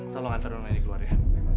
tolong antar orang ini keluar ya